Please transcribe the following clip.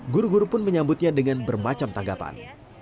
guru guru pun menyambutnya dengan bermacam tanggapan